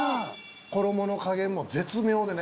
衣の加減も絶妙でね